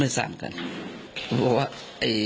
ไม่ซาใจ